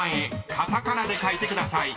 カタカナで書いてください］